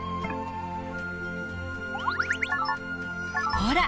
ほら！